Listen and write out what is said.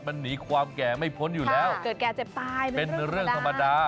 มันหนีความแก่ไม่พ้นอยู่แล้วเกิดแก่เจ็บตายเป็นเรื่องธรรมดา